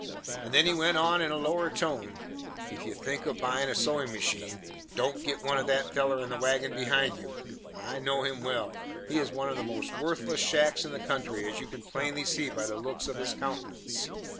And then he went on in a lower tone, "If you think of buyin' a sewin' machine, don't git one of that feller in the wagon behind you I know him well; he is one of the most worthless shacks in the country, as you can plainly see by the looks of his countenance.